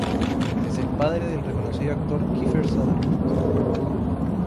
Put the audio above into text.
Es el padre del reconocido actor Kiefer Sutherland.